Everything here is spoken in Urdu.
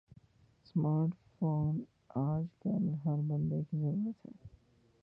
سمارٹ فون آج کل ہر بندے کی ضرورت ہے